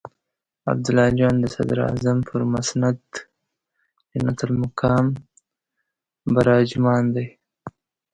عبدالله جان د صدراعظم پر مسند جنت المقام براجمان دی.